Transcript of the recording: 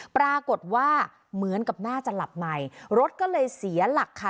ปรากฏว่าเหมือนกับน่าจะหลับใหม่รถก็เลยเสียหลักค่ะ